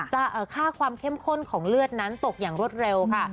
ค่าความเข้มข้นของเลือดนั้นตกอย่างรวดเร็วค่ะ